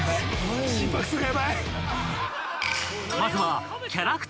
［まずは］